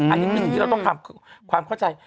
อันนี้เราต้องทำความเข้าใจ